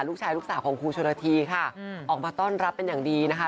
ลูกชายลูกสาวของคุณชนธีออกมาต้อนรับเป็นอย่างดีนะคะ